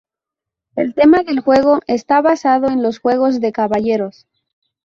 El tema del juego está basado en los juegos de caballeros.